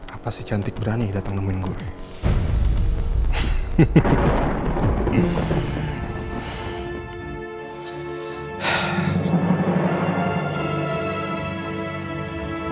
apa si cantik berani datang nemuin gue